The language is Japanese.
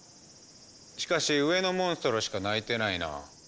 しかし上のモンストロしか鳴いてないな。